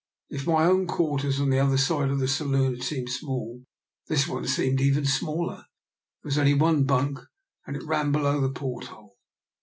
If my own quarters on the other side of the saloon had seemed small, this one seemed even smaller. There was only one bunk, and it ran below the port hole.